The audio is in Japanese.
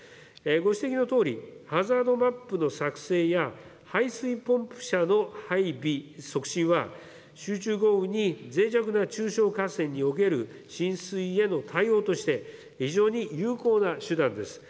ご指摘のとおり、ハザードマップの作成や、排水ポンプ車の配備・促進は集中豪雨にぜい弱な中小河川における浸水への対応として、非常に有効な手段です。